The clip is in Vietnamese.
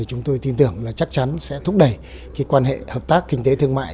chúng tôi tin tưởng là chắc chắn sẽ thúc đẩy quan hệ hợp tác kinh tế thương mại